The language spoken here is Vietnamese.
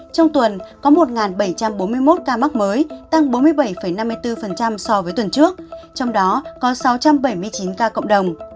trong tuần có một bảy trăm bốn mươi một ca mắc mới tăng bốn mươi bảy năm mươi bốn so với tuần trước trong đó có sáu trăm bảy mươi chín ca cộng đồng